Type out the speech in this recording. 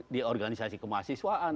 di organisasi kemahasiswaan